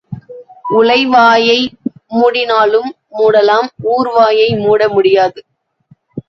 உலை வாயை மூடினாலும் மூடலாம் ஊர் வாயை மூட முடியாது.